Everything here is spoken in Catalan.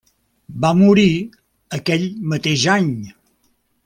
Va morir aquell mateix any.